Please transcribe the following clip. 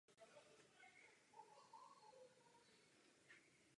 Podrývá kompetence členských států v oblasti zahraniční politiky.